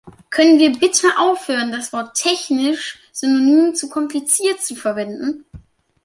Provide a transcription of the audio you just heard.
Können wir bitte aufhören, das Wort "technisch" synonym zu "kompliziert" zu verwenden?